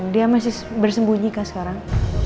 dia masih bersembunyi kak sekarang